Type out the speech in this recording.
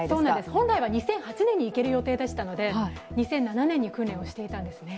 本来は２００８年に行ける予定だったので２００７年に訓練をしていたんですね。